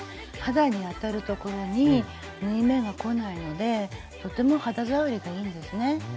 肌に当たる所に縫い目がこないのでとても肌触りがいいんですね。